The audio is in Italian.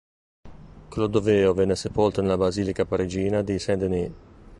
Clodoveo venne sepolto nella basilica parigina di Saint-Denis.